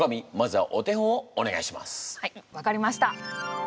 はい分かりました。